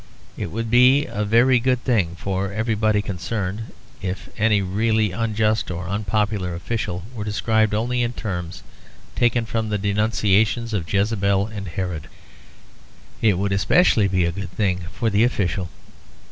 It would be a very good thing for everybody concerned if any really unjust or unpopular official were described only in terms taken from the denunciations of Jezebel and Herod. It would especially be a good thing for the official.